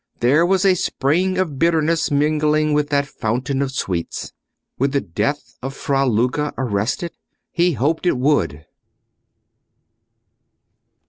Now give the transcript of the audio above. There was a spring of bitterness mingling with that fountain of sweets. Would the death of Fra Luca arrest it? He hoped it would.